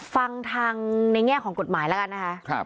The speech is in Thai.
ฟังทางในแง่ของกฎหมายแล้วกันนะคะ